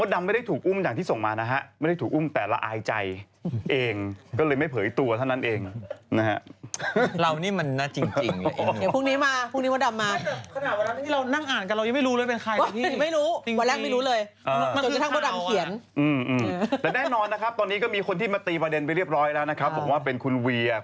เดี๋ยวฉันดูในคริปแล้วไม่ได้อ่านตามเนื้อข่าวเลย